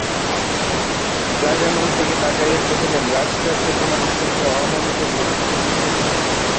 রাজা মন্ত্রীকে ডাকাইয়া কহিলেন, রাজকার্যে তোমার অত্যন্ত অমনোযোগ লক্ষিত হইতেছে।